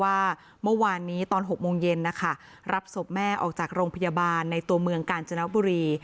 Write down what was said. ว่าเมื่อวานนี้ตอน๖โมงเย็นนะคะรับศพแม่ออกจากโรงพยาบาลในตัวเมืองกาญจนบุรี